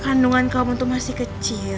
kandungan kamu tuh masih kecil